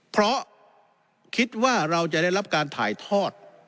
เพราะคิดว่าเราจะได้รับการถ่ายทอด